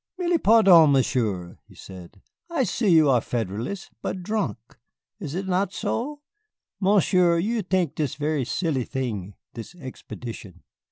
"Mille pardons, Monsieur," he said; "I see you are Federalist but drunk. Is it not so? Monsieur, you tink this ver' silly thing this expedition."